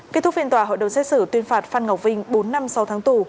kết thúc phiên tòa hội đồng xét xử tuyên phạt phan ngọc vinh bốn năm sáu tháng tù